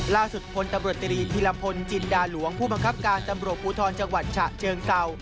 ล่าสุดพลตำรวจตรีธิลัมพลจินดาหลวงผู้ประคับการตำรวจพูทรจังหวัดชะเชิงเซา